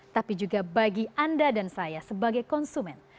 tapi juga bagi anda dan saya sebagai konsumen